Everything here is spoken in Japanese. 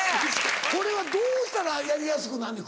これはどうしたらやりやすくなんねん？